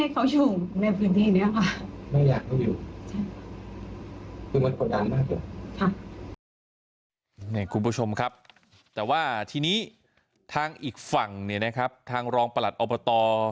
คุณผู้ชมครับแต่ว่าทีนี้ทางอีกฝั่งเนี่ยนะครับทางรองประหลัดอบต